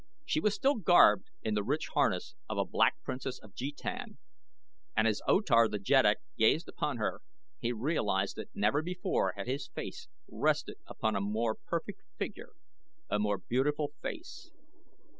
She was still garbed in the rich harness of a Black Princess of Jetan, and as O Tar the Jeddak gazed upon her he realized that never before had his eyes rested upon a more perfect figure a more beautiful face.